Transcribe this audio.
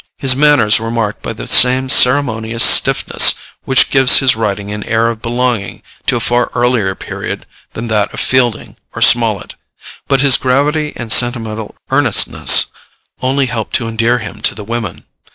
His manners were marked by the same ceremonious stiffness which gives his writing an air of belonging to a far earlier period than that of Fielding or Smollett; but his gravity and sentimental earnestness only helped to endear him to the women.